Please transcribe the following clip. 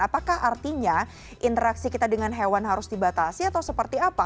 apakah artinya interaksi kita dengan hewan harus dibatasi atau seperti apa